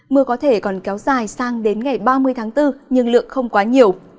mưa có thể còn kéo dài sang đến ngày ba mươi tháng bốn nhưng lượng không quá nhiều